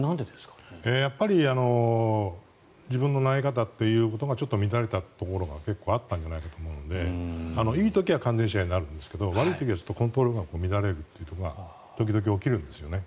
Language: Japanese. やっぱり自分の投げ方というのがちょっと乱れたところが結構あったんじゃないかと思うのでいい時は完全試合になるんですが悪い時はコントロールが乱れるということが時々起きるんですね。